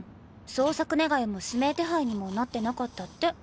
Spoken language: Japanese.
捜索願も指名手配にもなってなかったって。